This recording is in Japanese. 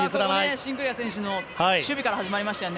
シンクレア選手の守備から始まりましたよね。